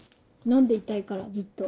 飲んでいたいからずっと。